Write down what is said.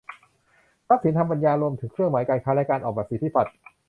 ทรัพย์สินทางปัญญารวมถึงเครื่องหมายการค้าและการออกแบบสิทธิบัตร